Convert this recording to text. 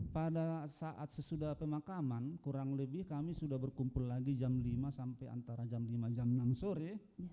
pada saat sesudah pemakaman kurang lebih kami sudah berkumpul lagi jam lima sampai antara jam lima jam enam sore